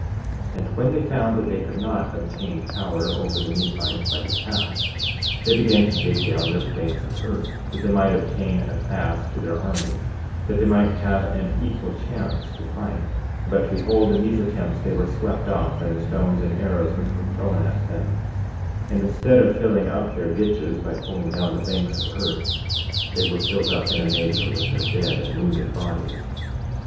49:22 Now when they found that they could not obtain power over the Nephites by the pass, they began to dig down their banks of earth that they might obtain a pass to their armies, that they might have an equal chance to fight; but behold, in these attempts they were swept off by the stones and arrows which were thrown at them; and instead of filling up their ditches by pulling down the banks of earth, they were filled up in a measure with their dead and wounded bodies.